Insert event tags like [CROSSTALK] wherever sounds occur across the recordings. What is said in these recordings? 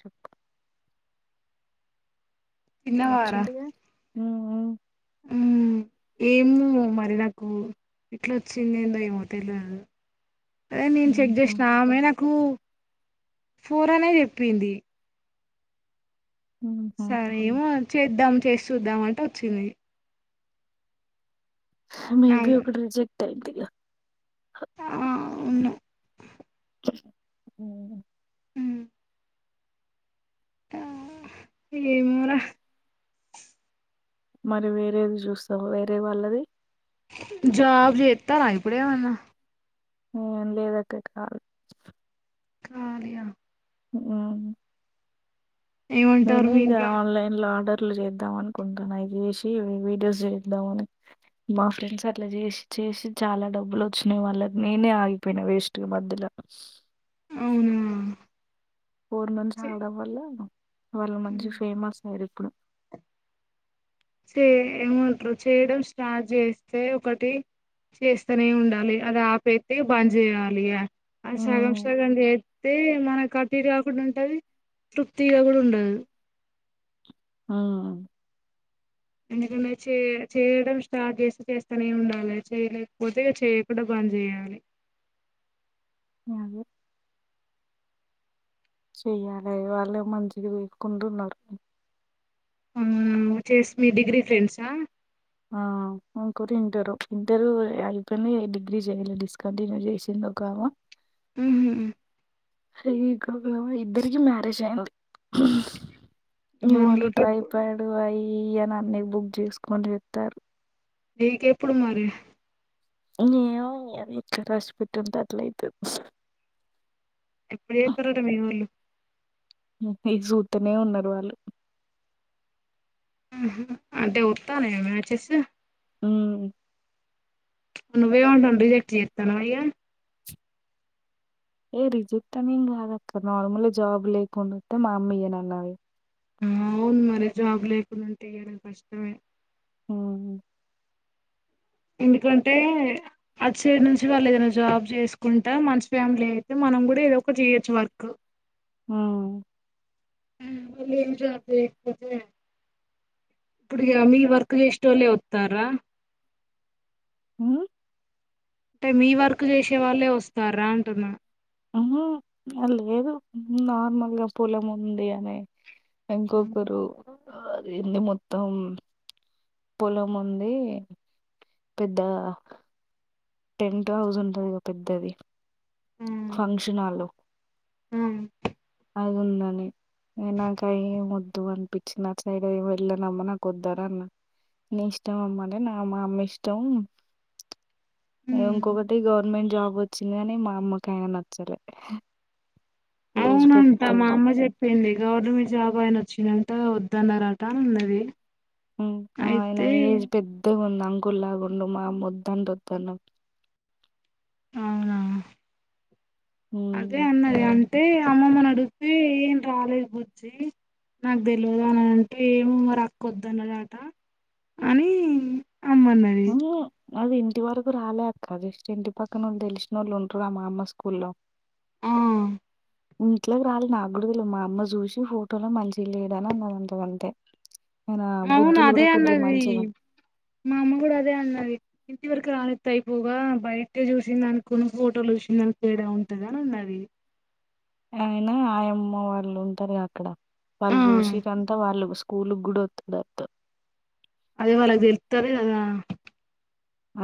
చెప్పు తిన్నవారా వచ్చిండు గా ఉ ఉ మ్మ్ ఏమో మరి నాకు ఇట్లా వచ్చింది ఏందో ఏమో తెల్వదు అదే నేను హ్మ్ చెక్ హుహు చేసిన ఆమె నాకు ఉ ఫోరనే చెప్పింది హుహు సరే ఏమో చేద్దాం చేసి చూద్దాం అంటే వచ్చింది నా మేబీ ఒకటి రిజెక్ టైట్ గా ఆ అవును ఉ మ్మ్. ఆ ఏమోరా మరి వేరేవి చూస్తావా వేరే వాళ్ళది జాబ్ చేత్తారా ఇప్పుడు ఏమన్నా ఏం లేదక్క కాల్ కార్య వావ్ ఏమంటారు నేను మీ ఇక ఇంట్లో ఆన్లైన్ లో ఆర్డర్ అట్లు చేద్దాం అనుకుంటాను అవి చేసి వీడియోస్ చేద్దాంని మా ఫ్రెండ్స్ అట్లా చేసి చేసి చాలా డబ్బులు వచ్చినాయి వాళ్ళ నేనే ఆగిపోయినా వేస్ట్ గామధ్యలో అవునా ఫోర్ మంత్స్ చే ఆగడం వల్ల వాళ్ళ మంచి ఫేమస్ అయ్యారు ఇప్పుడు చే ఏమంటారు చేయడం స్టార్ట్ చేస్తే ఒకటి చేస్తనే ఉండాలి అది ఆపయితే బంద్ చేయాలి ఆ సగం హ్మ్ సగం చేత్తే మనక టు ఇటు కాకుండా ఉంటది తృప్తిగా కూడా ఉండదు మ్ ఎందుకంటే చే చేయడం స్టార్ట్ చేస్తే చేస్తానే ఉండాలి చేయలేకపోతే చేయకుండా బంద్ చేయాలి మ్ అవే చెయ్యాలి వాళ్ళు మంచిగా చేసుకుంటున్నారు మ్ చేేసి మీ డిగ్రీ ఫ్రెండ్సా ఆ ఇంకోటి ఇంటరు ఇంటరు అయిపోయిందే డిగ్రీ చేయాల డిస్కంటిన్యూ చేసింది ఒకామ ఊహు [UNINTELLIGIBLE] ఇద్దరికి మ్యారేజ్ అయింది. మరి నివలు నీకెప్పుడు ట్రైపాడు ఐ ఈ అని అన్ని బుక్ చేసుకొని చెప్తారు నీకు ఎప్పుడు మరి ఏమో ఎట్ల రాసిపెట్టి ఉంటే అట్లయితది ఎప్పుడుచేతరట మీవోల్లు ఇగ చూతనే ఉన్నారు వాళ్ళు హుమ్మ్ అంటే వత్తానాయ మ్యాచెస్ మ్మ్ నువ్ ఏమంటానవ్ రిజెక్ట్ చేతనావావి ఏ రిజెక్ట్ అనేం కాదక్క నార్మల్ జాబ్ లేకుండోతే మా అమ్మ ఇయ్యనన్నది అవును మరి జాబ్ లేకునుంటే ఏదైనా కష్టమే ఉమ్ ఎందుకంటే అట్ సైడ్ నుంచి వాళ్ళు ఏదైనా జాబ్ చేసుకుంటా మంచి ఫ్యామిలీ అయితే మనం గుడా ఏదో ఒకటి చేయొచ్చు వర్క్ హ ఉ వాళ్ళు ఎమ్ జాబ్ చేయకపోతే ఇప్పుడు ఏమి వర్క్ చేస్టోళ్లే వస్తారా ఊ అంటే మీ వర్క్ చేసే వాళ్ళే వస్తారా అంటున్నా ఉహు లేదు నార్మల్గా పొలం ఉంది అనే ఇంకొకరు అది ఏంది మొత్తం పొలం ఉంది పెద్ద టెంట్ హౌస్ ఉంటది పెద్దది ఫంక్షనాలో ఉమ్ అది ఉందని నాక అవి వద్దు అనిపించి నా సైడ్ వెళ్ళనమ్మా నాకు వద్దనీ అన్నా నీ ఇష్టం అమ్మ అంటే నా మా అమ్మ ఇష్టం ఉమ్. ఇంకొకటి గవర్నమెంట్ జాబ్ వచ్చిందనే మా అమ్మకు యనా నచ్చలే ఏజ్ అంత మా పెద్దగా అమ్మ చెప్ పెళ్లి గవర్నమెంట్ జాబ్ ఆయన వచ్చిందంట వద్దన్నారట అన్నది హు్మ్ ఆయన అయితే ఏజ్ పెద్దగా ఉంది అంకుల్ లాగా ఉండు మా అమ్మ వదన్చెప్తా ఉంది నాక్ అవునా అదే హ్మ్. అన్నదిగా అంటే అమ్మమ్మని అడిగిపి ఏం రాలేదు బుజ్జి నాకు తెల్వద్ అని అంటే ఏమో మరి అక్కొద్దన్నదట అని అమ్మన్నది హ్మ్. అది ఇంటి వరకు రాలే అక్క జస్ట్ ఇంటి పక్కనోళ్ళు తెలిసినోళ్ళు ఉంటారు గా మా అమ్మ స్కూల్లో ఆ ఇంట్లోకి రాలె నాకూడా తెల్వదు మా అమ్మ చూసి ఫోటోలో మంచిగ్ లేడు అని అన్నదట అంతే అవును అదే అన్నది మా అమ్మ కూడా అద అదే అన్నది ఇంటి వరకు రానితే అయిపోవుగా బయిటె చూసిన దాని కొను ఫోటోలు చూసిన దానికి తేడా ఉంటది అని అన్నది అయినా ఆయమ్మ వాళ్ళు ఉంటారుగా అక్కడ ఆ వాళ్ళు చూసిరంట వాళ్ళు స్కూలుగుడా వస్తాడంట అదే వాళ్ళకి తెలుతది కదా ఆ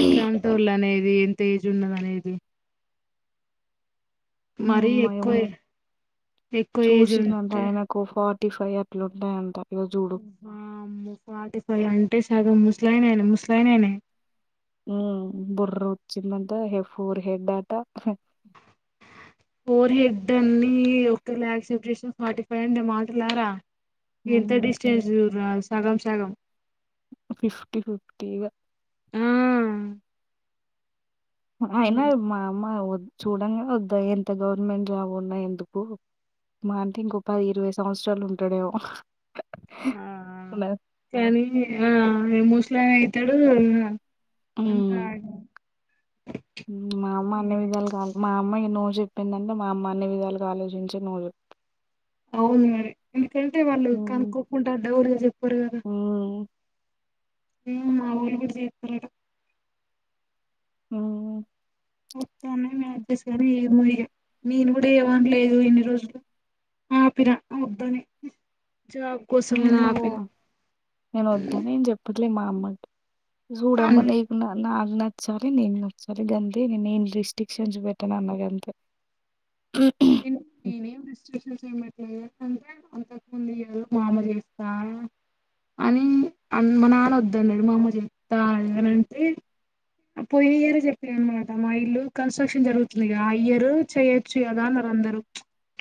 ఎట్లాంటోల్ అనేద్ ఎం తెజ్ ఉన్నదనేయిది మరీ నీయమ్మ ఎక్కువ యమ్మో! ఎక్కువ ఏజ్ ఉంటే టిఫై అట్లుంటాయంట ఇగో జూడు. ఫటి ఫై అంటే గ ముస్లాయినా ముస్లానానే ఉ బుర్రుచ్చిమ్ంత హ ఫూర్ హెద్దాట ఫోర్ హెడ్ అన్ని ఒకేలా క్సెప్ట్ చేసిన ఫార్టీ ఫైవ్ అండి మాటలారా ఎంత హ్మ్. డిస్టెన్స్ చూడ్రా అసలు సాగం సాగం ఫిఫటీ ఫిఫ్టీగా ఆ అయిన హ్మ్. మా అమ్మా చూడంగానే వద్దా ఎంత గవర్నమెంట్ జాబ్ ఉన్నా ఎందుకు మా అంటే ఇంకొ ప ఇరవై సంవత్సరాలు ఉంటాడేమో ఆ కానీ ఆ ఏమోష్నల్ అయితాడు ఆ అంతా హ్మ్ ఆగం మా అమ్మ అన్ని విధాలుగాల్ మా అమ్మ ఎన్నో చెప్పిందంటే మా అమ్మ అన్ని విధాలుగా ఆలోచించే నువ్వు అవును మరి ఎందుకంటే వాళ్ళు హ్మ్ కనుక్కోకుంటా డేర్గా చెప్పరు కదా హ్మ్ హ్మ్ మా వాళ్ళు కూడా చేస్తారటా. హ్మ్ వద్దానే మచ్చ సారి ఏమొ ఈగా నేను కూడా ఏమన్లేదు ఇన్ని రోజులు ఆపిన వద్దని. జాబ్ కోసం అని నేను ఓ ఆపిన నేను వద్దానే ఏమ్ చెప్పలే మామ్ మడ్ అం జూడమ్మ నీకు నా నచ్చాలి నేను నచ్చాలి నేను గంతే నేను ఏమ్ రిస్ట్రిక్షన్స్ పెట్టాను అన గంతే. నీన్ హ్మ్ నేను ఏమ్ రిస్ట్రిక్టన్ పెట్టా. అంత ముందు ఇయర్ మామ చేస్తాన్నాడు అని మా నాన్న వద్దు అన్నడు మా అమ్మ చెప్తా అనే అంటే పోయి ఇయరే మా ఇల్లు కాన్స్ట్రక్షన్ జరుగుతుందిగా ఆహా ఇయర్ చేయ యోగ అందరూ.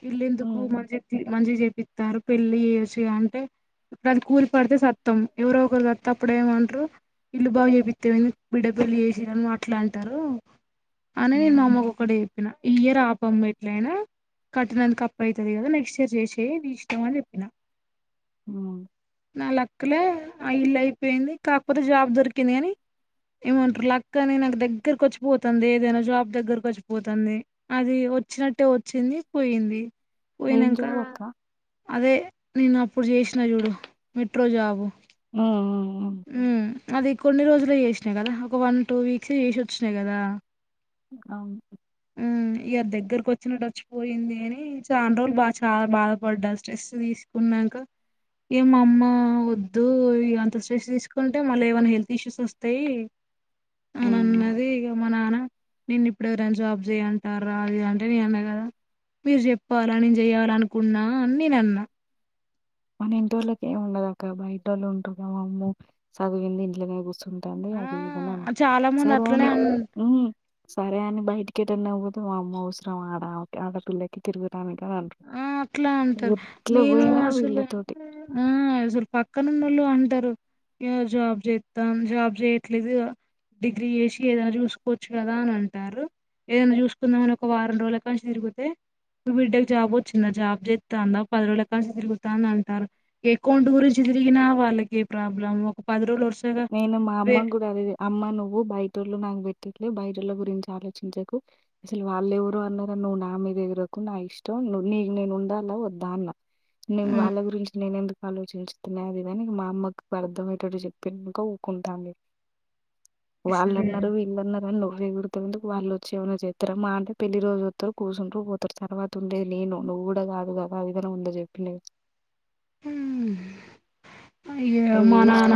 ఇల్లేందుకు మం హ్మ్ మంచి చేపిస్తారు. పెళ్లి చేసి అంటే అది కూలి పడితే సత్తం ఎవరో ఒకరు సత్త అప్పుడేమంటారు ఇల్లు బాగా చేపితేమైది బిడ్డ పెళ్లి చేసిరని మాట్లా అంటారు. అనే నేను మా హ్మ్ అమ్మకు ఒకటి. చెపిన ఇయరా పి మెట్లుయినా కట్టినందుకు అప్పు అయితది కదా నెక్స్ట్ ఇయర్ చేసే నీ ఇష్టం అని చెప్పినా. హ్మ్ నా లక్. క్కలే ఆ ఇల్లు అయిపోయింది కాకపోతే జాబ్ దొరికింది కాని ఏమంటారు లక్ అని నాకు దగ్గరకు వచ్చిపోతాంది ఏదైనా జాబ్ దగ్గరకు వచ్చిపోతాంది అది. వచ్చినట్టే వచ్చింది పోయింది. ఏం పోయినంక జాబ్ అక్క అదే. నేను అప్పుడు చేసిన చూడు మెట్రో జాబు. హ్మ్ హ్మ్ హ్మ్ ఉ అది కొన్ని రోజులు అప్లై చేసినా కదా ఒక వన్ టూ వీక్స్ ఏసి వచ్చినా కదా అవు హ్మ్ ఇగ దగ్గరకి వచ్చినట్టు అచ్చిపోయింది అనీ చాన్ రోజులు బా చాలా బాధపడ్డా స్ట్రెస్ తీసుకున్నాంక ఇ మా అమ్మ వద్దు ఇ అంత రెస్ట్ తీసుకుంటే మళ్ళీ ఏమైనా హెల్త్ ఇష్యూస్ వస్తాయి హ్మ్. అనన్నది ఇగ మా నాన్న నిన్ ఇప్పుడు ఎవరైనా జాబ్ చేయ్ అంటార్రా అది ఇది అంటే నే అన్నా కదా మీరు చెప్పాలా నేను చెయాలనుకున్నా అని నేను అన్నా మన ఇంటోళ్ళకి ఏమి ఉండదు అక్క బయట ఒళ్ళు ఉంటుంది వామ్మో సదివింది ఇంట్లనే కూసుంది తోంది ఆ అది [UNINTELLIGIBLE] చాలా మంది సరే అట్లనే పోనీ అన్ హ్మ్ సరే అని బయటికి ఎటన్నా వోతే వామ్మో అవసరమా ఆడ ఆడపిల్లకి తిరుగుటాని ఆ అట్లా అంటారు నేను పోయినా అసలు వీళ్ళతోటి ఊ అసలు పక్కనునోళ్ళు అంటారు జాబ్ చేస్తా జాబ్ చేయట్లేదు డిగ్రీ చేసి ఏదైనా చూసుకోవచ్చు కదా అని అంటారు ఏదైనా చూసుకుందామని ఒక వారం రోజుల కానుంచి తిరిగితే నువ్ బిడ్డ జాబ్ వచ్చిందా జాబ్ చేస్తాందా పది రోజుల కాడినుంచి తిరుగుతాంది అంటారు ఏకౌంట్ గురించి తిరిగినా వాళ్ళకి ఏ ప్రాబ్లం ఒక పది రోజులు వో నేను మా అమ్మ గుడా అదే అమ్మ నువ్వు బయటోళ్ళు నాకు పెట్ టెట్లే బైటోళ్ళ గురించి ఆలోచించకు అసలు వాళ్ళెవరో అన్నారని నువ్వు నా మీదెగరకు నా ఇష్టం నువ్ నీకు నేనుండాలా వద్దా అన్న నేను వాళ్ళ గురించి నేనెందుకు ఆలోచించుతున్నాది కానీ మా అమ్మకు అర్థంమయ్యేటట్టు చెప్ పెన్నుగా ఊకుంటాంది ఇ వాళ్ళన్నారు వీళ్ళన్నారు అని నువ్ వేగూరుతుండు వాళ్ళుచ్చేమైనా చేత్రార మా అంటే పెళ్లి రోజు వతరు కూర్చుంటరు పోతారు తర్వాత ఉండేది నేను నువ్వు కూడా కాదు కదా అదిదనా ముందే చెప్పిన ఉ అయ్య మా నాన్న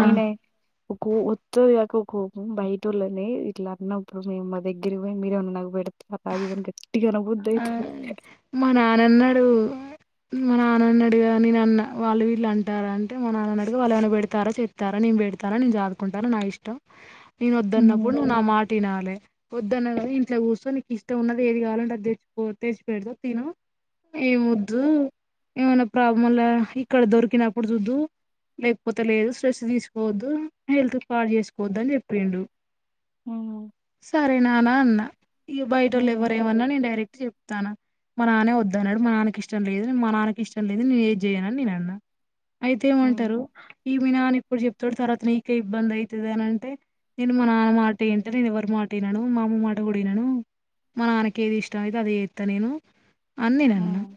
ఒక ఒత్త్తది గాక కోపం బయటొళ్ళనే ఇట్లా అన్నప్పుడు మేం మా దగ్గర పోయి మీరేమనా నాగ్ బెడ గట్టిగా ఆ అనబుద్దయితది మా నాన్నన్నాడు మా నాన్ననీ అడిగా నేనన్న వాళ్ళు వీళ్ళు అంటారంటే మా నాన్ననీ అడిగా వాళ్ళు ఏమైనా పెడతారా చెతరా నేను పెడతాను నేను చాదుకుంటాను నా ఇష్టం నేనొద్దన్నప్పుడు హ్మ్ నువ్వు నా మాటినాలే వద్దన్న కదా ఇంట్లో కూర్చో నీ ఇష్టంన్నది ఏది కావాలంటే అది తెచ్చికో తెచ్చి పెడత తిను ఏమొద్దు ఏమన్నా ప్రాముల్ల ఇక్కడ దొరికినప్పుడు చూద్దు లేక్పోతే లేదు స్ట్రెస్ తీసుకోవద్దు హెల్త్ పాడ్ చేసుకోవద్దు అని చెప్పిండు. హ్మ్ సరే నన్నా అన్న ఈ బయటోల్లు ఎవ్వరేమన్న నేను డై చెప్తాన మా నానే వద్దన్నాడు మా నాన్నకి ఇష్టం లేదు మా నాన్నకి ఇష్టం లేందే నేనేది చేయనని నేనన్నా అయితే ఏమంటారు హ్మ్ ఈమి నానిప్పుడు చెప్తడు తర్వాత నీకే ఇబ్బందైతదనంటే నేను మా నాన్న మాటే ఇంట నేనెవరి మాట ఇనను మా అమ్మ మాట కూడా ఇనను మా నాన్నకేదిస్ ఇష్ట అయితే అదే చేత నేను అని నేనన్న హ్మ్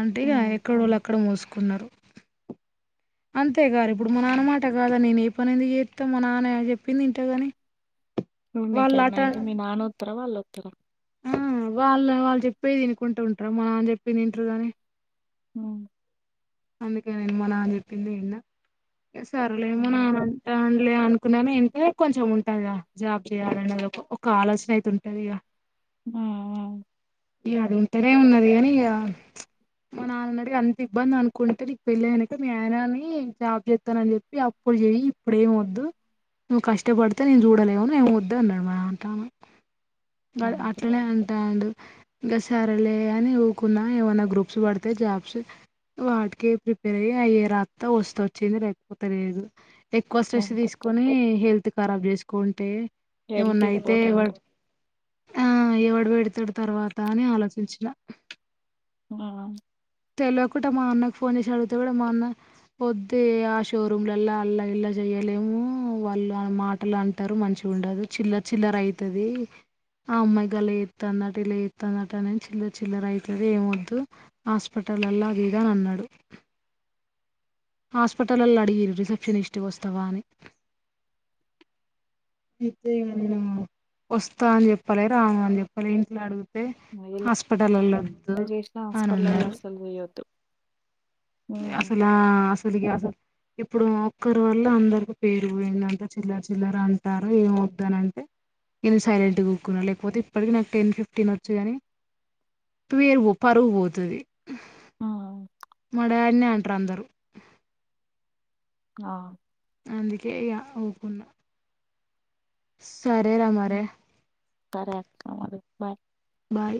అంటేగా హ్మ్ ఎక్కడొల్లు అక్కడ మోసుకున్నారు అంతే గా రిప్పుడు మా నాన్నమాట కాదని నేనేపనెందుకు జేత్తా మా నాన్న చెప్పిందింటగాని. నీకేన్నా అయితే మీ నానో తర వాళ్ళొత్తరా ఉమ్ వాళ్ళు వాళ్ళు చెప్పే ఈనుకుంటు ఉంటారు మానం చెప్పేందింట్రూ గాని హ్మ్ అందుకే నేన్ మా నాన్న చెప్పిందే ఇన్నా సరలేమో హ్మ్ నాన్న అంటాండు లె కునను ఇంటె కొంచెం ఉంటది గా జాబ్ చేయాలనేది ఒక ఒక ఆలోచన ఐతే ఉంటదిగా ఉమ్ ఉ ఇ అది ఉంటేనే ఉన్నది కాని ఇక మా నాన్నని అడిగి అంత ఇబ్బంది అనుకుంటే నీకు పెళ్ళి అయినంక మీ ఆయనని జాబ్ చేస్తానని చెప్పి అప్పుడు చెయ్య ఇప్పుడేమి వద్దు నువ్వు కష్టపడితే మీము చూడలేవు ఏమి వద్దు అన్నాడు మా నాన్న తానా అంతే అట్లనే అంటాండు ఇంకా సరలే అని ఊకున్నా ఏమనా గ్రూప్స్ పడితే జాబ్స్ వాటికే ప్రిపేర్ అయి అయ్యే రాత్త వస్తే వచ్చింది లేకపోతే లేదు ఎక్కువ స్ట్రెస్ గంతే తీసుకొని హెల్త్ కరాబ్ చేసుకు కొంటే హెల్త్ ఏమన్నా అయితే వా ఇంపార్టెంట్ ఆ ఎవడు పెడతాడు తర్వాత దానే ఆలోచించిన ఆ తెలివకుంట మా అన్నకి ఫోన్ చేసి అడిగితే కూడా మా అన్న వద్దే ఆ షోరూంలల్ల అల్లా ఇల్లా చెయలేేము వాళ్ళు మాటలు అంటరు మంచి ఉండదు చిల్లర చిల్లర అయితది ఆ అమ్మాయిగట్ల చేత్తాదట ఇట్లచేత్తాదట అని చిల్లర చిల్లర అయితది ఏం వద్దు హాస్పిటల్ లల్లా అది ఇది అని అన్నాడు హాస్పిటల్లోల్లు అడిగిర్రు రిసెప్షనిస్ట్గా వస్తావా అని, వస్తా అని చెప్పలే రాను అని చెప్పలే ఇంట్లో అడుగు అతే ఎలా హాస్పిటలోల్లు వద్దు చేసినా అని హాస్పిటలల్ల ఉన్నారు అస్సలు పోయొద్దు హ్మ్ అసలా అసలుకి అస ఇప్పుడు ఒక్కరు వల్ల అందరికి పేరు పోయిందంట చిల్లరి చిల్లర అంటారు ఏం వద్దు అని అంటే నేను సైలెంట్ ఊక్కున్నా లేకపోతే ఇప్పటికి నాకు టెన్ ఫిఫ్టీన్ వచ్చు కాని పేరు పో పరుగు పోతది ఆ మా డాడీనే అంట్ర్ అందరు ఆ అందుకే ఇగ ఉకున్నా స్ సరే రామారే ఉమ్. సరే అక్క మరి బాయ్ బాయ్